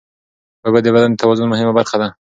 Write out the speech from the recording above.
اوبه د بدن د توازن مهمه برخه ده.